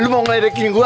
lo mau redekin gua